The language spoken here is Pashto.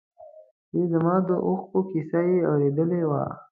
چې زما د اوښکو کیسه یې اورېدی وای.